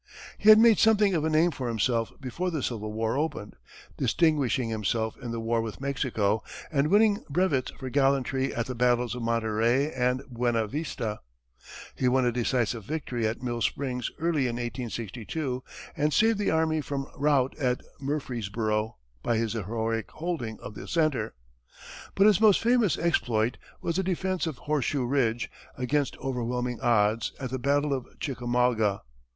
He had made something of a name for himself before the Civil War opened, distinguishing himself in the war with Mexico and winning brevets for gallantry at the battles of Monterey and Buena Vista. He won a decisive victory at Mill Springs early in 1862, and saved the army from rout at Murfreesboro by his heroic holding of the centre. But his most famous exploit was the defence of Horseshoe ridge, against overwhelming odds, at the battle of Chickamauga.